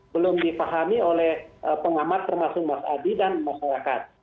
belum dipahami oleh pengamat termasuk mas adi dan masyarakat